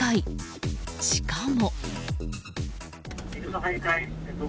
しかも。